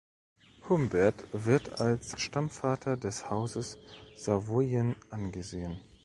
Humbert wird als Stammvater des Hauses Savoyen angesehen.